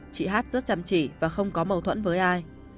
chị hát rất chăm chỉ và không có mâu thuẫn với ai